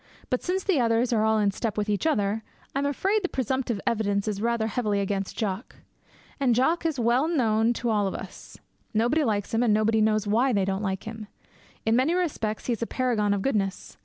But since the others are all in step with each other, I am afraid the presumptive evidence is rather heavily against Jock. And Jock is well known to all of us. Nobody likes him, and nobody knows why they don't like him. In many respects he is a paragon of goodness.